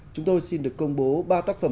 chụp được tấm ảnh